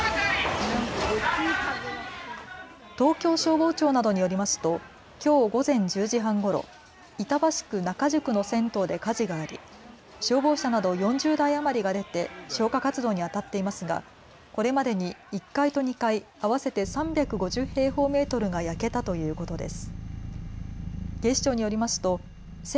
東京消防庁などによりますときょう午前１０時半ごろ、板橋区仲宿の銭湯で火事があり消防車など４０台余りが出て消火活動にあたっていますがこれまでに１階と２階合わせて３５０平方メートルが焼けたということです。